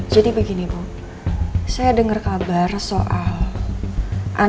sampai jumpa kembali